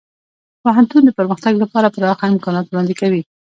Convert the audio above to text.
پوهنتون د پرمختګ لپاره پراخه امکانات وړاندې کوي.